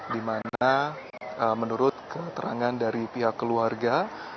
di mana menurut keterangan dari pihak keluarga